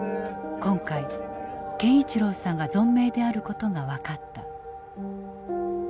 今回健一郎さんが存命であることが分かった。